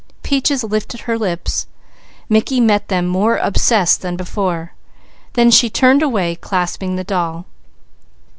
Peaches lifted her lips. Mickey met them more obsessed than before. Then she turned away, clasping the doll.